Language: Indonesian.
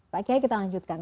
pak gey kita lanjutkan